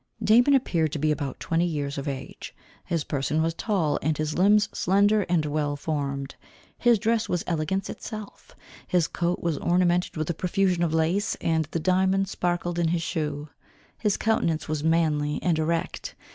Damon appeared to be about twenty years of age. His person was tall, and his limbs slender and well formed. His dress was elegance itself. His coat was ornamented with a profusion of lace, and the diamond sparkled in his shoe. His countenance was manly and erect.